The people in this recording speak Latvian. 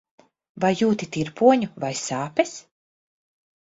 Vai jūti tirpoņu vai sāpes?